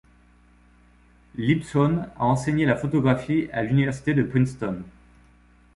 Libsohn a enseigné la photographie à l'université de Princeton.